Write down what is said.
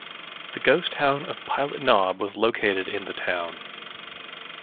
The ghost town of Pilot Knob was located in the town.